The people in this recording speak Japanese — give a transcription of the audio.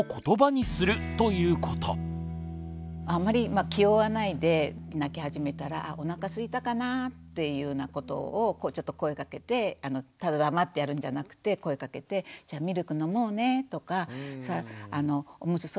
あんまり気負わないで泣き始めたら「あおなかすいたかな」っていうようなことをちょっと声かけてただ黙ってやるんじゃなくて声かけて「じゃあミルク飲もうね」とか「おむつそろそろ替えようかな